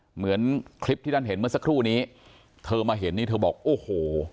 เหมือนคลิปที่ท่านเห็นเมื่อสักครู่นี้เธอมาเห็นนี่เธอบอกโอ้โห